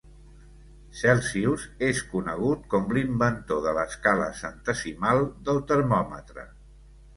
Celsius és conegut com l'inventor de l'escala centesimal del termòmetre.